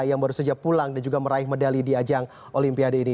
yang baru saja pulang dan juga meraih medali di ajang olimpiade ini